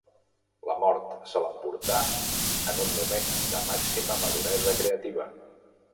La mort se l'emportà en un moment de màxima maduresa creativa.